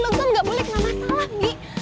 bukan ga boleh kena masalah umi